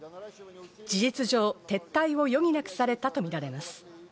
事実上撤退を余儀なくされたとみられます。